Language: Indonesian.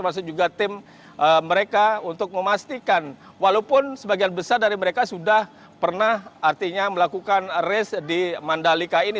dan juga tim mereka untuk memastikan walaupun sebagian besar dari mereka sudah pernah artinya melakukan race di mandalika ini